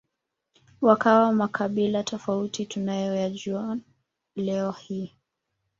wakawa makabila tofauti tunayoyajua leo hii